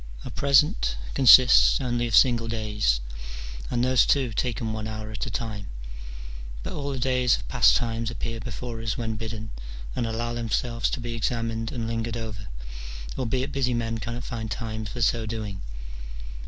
Our present consists only of single days, and those, too, taken one hour at a time : but all the days of past times appear before us when bidden, and allow themselves to be examined and lingered over, albeit busy men cannot find time for so doing.